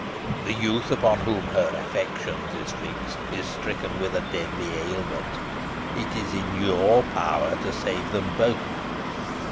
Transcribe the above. The youth upon whom her affections are fixed is stricken with a deadly ailment. It is in your power to save them both."